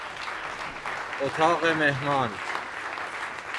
اتاق مهمان